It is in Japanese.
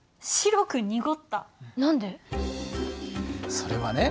それはね